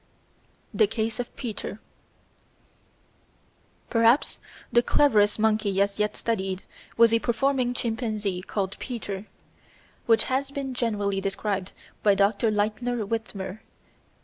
The Case of Peter Perhaps the cleverest monkey as yet studied was a performing chimpanzee called Peter, which has been generally described by Dr. Lightner Witmer.